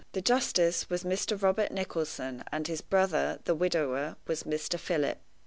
The justice was Mr. Robert Nicholson, and his brother, the widower, was Mr. Philip.